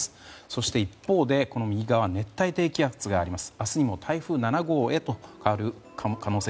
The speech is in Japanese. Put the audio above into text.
そして一方で熱帯低気圧があります。